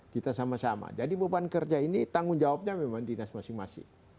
kita sama sama jadi beban kerja ini tanggung jawabnya memang dinas masing masing